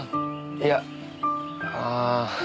いやああ。